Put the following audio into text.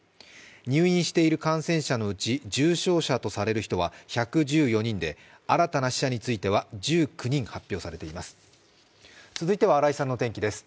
入院している感染者のうち、重症者とされる人は１１４人で、新たな死者については１９人発表されています。